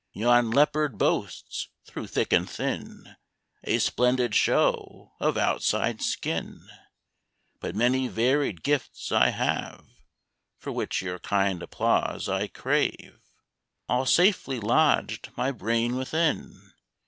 Yon Leopard boasts, through thick and thin, A splendid show of outside skin; But many varied gifts I have (For which your kind applause I crave) All safely lodged my brain within.